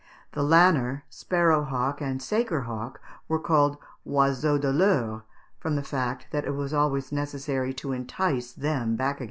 The lanner, sparrow hawk, and saker hawk were called oiseaux de leure, from the fact that it was always necessary to entice them back again.